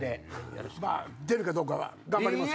出るかどうかは頑張ります。